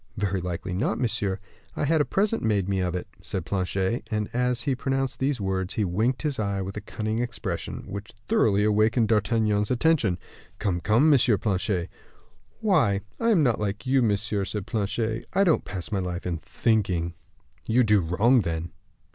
"Very likely not, monsieur. I had a present made me of it," said Planchet; and, as he pronounced these words, he winked his eye with a cunning expression, which thoroughly awakened D'Artagnan's attention. "Come, come, M. Planchet." "Why, I am not like you, monsieur," said Planchet. "I don't pass my life in thinking." "You do wrong, then."